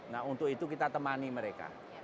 nah untuk itu kita temani mereka